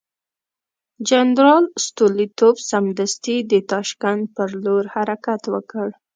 جنرال ستولیتوف سمدستي د تاشکند پر لور حرکت وکړ.